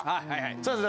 そうです。